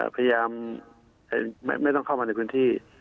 พยายามไม่ต้องเข้ามาในพื้นที่